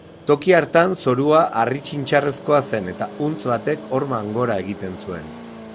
Toki hartan zorua harri-txintxarrezkoa zen eta huntz batek horman gora egiten zuen.